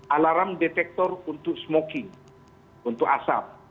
alarm detektor untuk smoking untuk asap